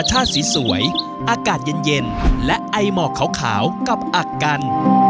ท่าสวยอากาศเย็นและไอหมอกขาวกับอักกัน